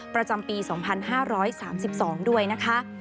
ประจำปี๒๕๓๒ด้วยนะคะ